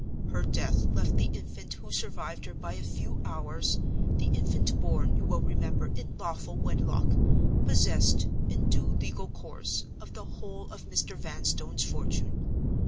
Her death left the infant who survived her by a few hours (the infant born, you will remember, in lawful wedlock) possessed, in due legal course, of the whole of Mr. Vanstone's fortune.